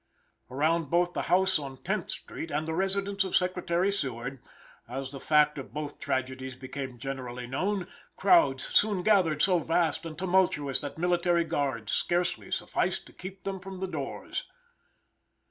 Around both the house on Tenth street and the residence of Secretary Seward, as the fact of both tragedies became generally known, crowds soon gathered so vast and tumultuous that military guards scarcely sufficed to keep them from the doors.